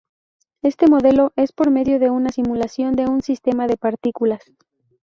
Este modelo es por medio de una simulación de un sistema de partículas.